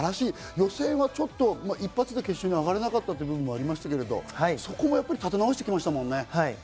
予選はちょっと一発で決勝に上がれなかったという部分がありましたけど、そこもやっぱり立て直してきましたもんね。